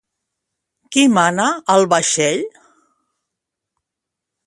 Qui mana al vaixell?